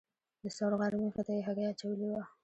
د ثور غار مخې ته یې هګۍ اچولې وه.